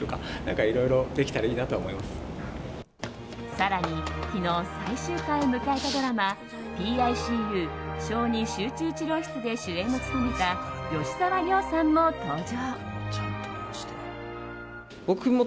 更に昨日最終回を迎えたドラマ「ＰＩＣＵ小児集中治療室」で主演を務めた吉沢亮さんも登場。